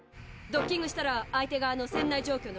ドッキングしたら相手側の船内状況の確認をして。